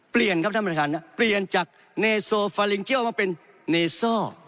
ท่านประทานครับเปลี่ยนจากเนซอฟาลิงเจลเอามาเป็นเนซอ